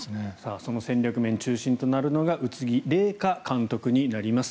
その戦略面中心となるのが宇津木麗華監督になります。